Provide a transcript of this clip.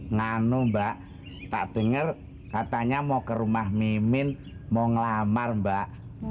nganu mbak tak denger katanya mau ke rumah mimin mau ngelamar mbak